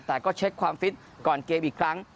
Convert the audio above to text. แต่ก็เช็คความฟิตก่อนเกมอีกครั้ง